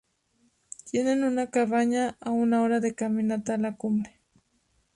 Tienen una cabaña a una hora de caminata a la cumbre.